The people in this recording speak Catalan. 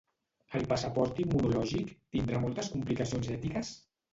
El passaport immunològic tindrà moltes complicacions ètiques?